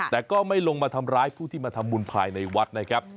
แต่ก็ไม่ลงมาทำร้ายผู้ที่มาทำบุญภายในวัดนะครับ